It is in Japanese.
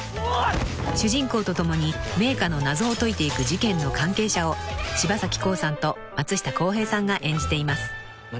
［主人公と共に名家の謎を解いていく事件の関係者を柴咲コウさんと松下洸平さんが演じています］